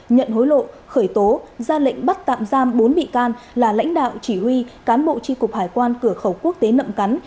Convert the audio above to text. nhận hối lộ khởi tố ra lệnh bắt tạm giam bốn bị can là lãnh đạo chỉ huy cán bộ tri cục hải quan cửa khẩu quốc tế nậm cắn